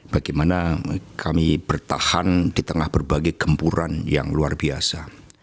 bagaimana kami bertahan di tengah berbagai gempuran yang luar biasa